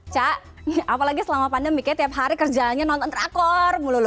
ca apalagi selama pandemi tiap hari kerjanya nonton drakor